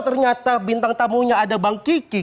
ternyata bintang tamunya ada bang kiki